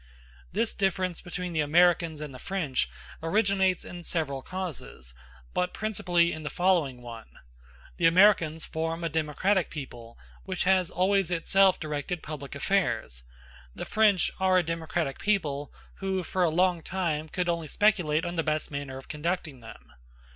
This difference between the Americans and the French originates in several causes, but principally in the following one. The Americans form a democratic people, which has always itself directed public affairs. The French are a democratic people, who, for a long time, could only speculate on the best manner of conducting them.